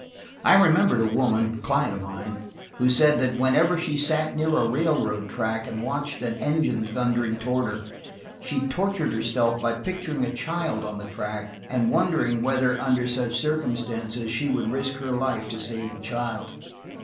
I remembered a woman–a client of mine–who said that whenever she sat near a railroad track and watched an engine thundering toward her, she tortured herself by picturing a child on the track, and wondering whether, under such circumstances, she would risk her life to save the child.